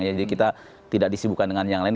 jadi kita tidak disibukan dengan yang lain